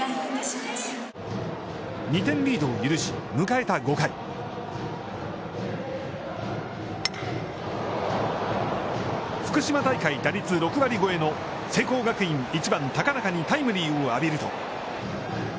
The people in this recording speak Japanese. ２点リードを許し、迎えた５回福島大会、打率６割超えの聖光学院１番・高中にタイムリーを浴びると。